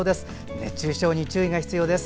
熱中症に注意が必要です。